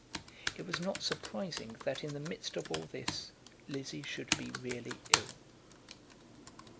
It was not surprising that in the midst of all this Lizzie should be really ill.